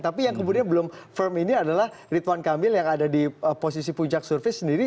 tapi yang kemudian belum firm ini adalah ridwan kamil yang ada di posisi puncak survei sendiri